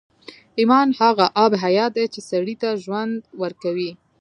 ایمان هغه آب حیات دی چې سړي ته ژوند ورکوي